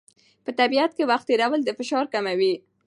په طبیعت کې وخت تېرول د فشار کموي.